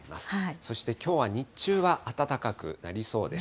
そしてきょうは、日中は暖かくなりそうです。